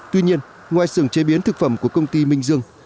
tuy nhiên ngoài xưởng chế biến thực phẩm của công ty minh dương